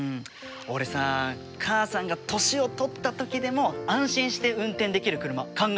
俺さ母さんが年を取った時でも安心して運転できる車考えてみるよ。